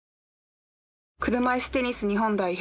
車いすテニス日本代表